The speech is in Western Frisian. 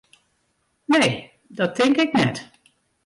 Nee, dat tink ik net.